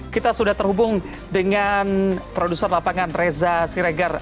kita sudah terhubung dengan produser lapangan reza siregar